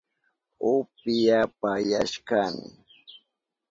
Upyapayashkani